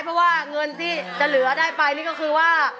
เพราะว่าเงินที่จะเหลือได้ไปนี่ก็คือว่า